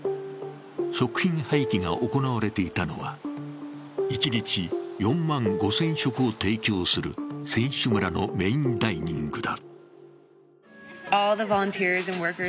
食品廃棄が行われていたのは、１日４万５０００食を提供する選手村のメインダイニングだ。